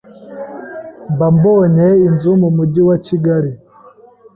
Mba mbonye inzu mu mujyi wa Kigali